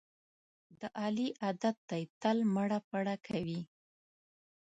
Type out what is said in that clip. د علي عادت دی تل مړه پړه کوي.